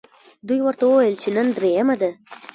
دوی ورته وویل چې نن درېیمه ده.